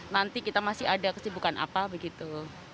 jadi kita masih ada kesibukan apa begitu